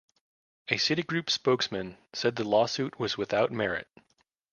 A Citigroup spokesman said the lawsuit was without merit.